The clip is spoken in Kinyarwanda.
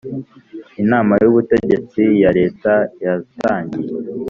Inama y Ubutegetsi ya leta yatangiye